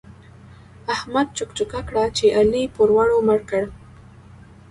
احمد چوک چوکه کړه چې علي پوروړو مړ کړ.